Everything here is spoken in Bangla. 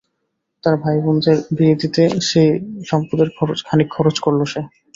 তার ভাই বোনদের বিয়ে দিতে এই সম্পদের খানিক খরচ করলো সে।